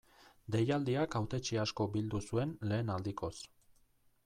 Deialdiak hautetsi asko bildu zuen lehen aldikoz.